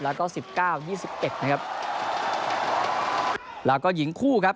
แล้วก็สิบเก้ายี่สิบเอ็ดนะครับแล้วก็หญิงคู่ครับ